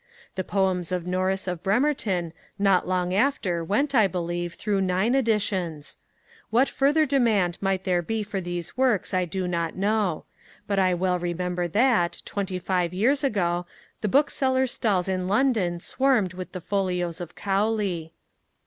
The Poems of Norris of Bemerton not long after went, I believe, through nine editions. What further demand there might be for these works I do not know; but I well remember that, twenty five years ago, the booksellers' stalls in London swarmed with the folios of Cowley.